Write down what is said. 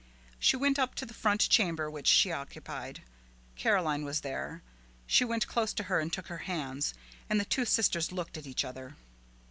She went up to the front chamber which she occupied. Caroline was there. She went close to her and took her hands, and the two sisters looked at each other.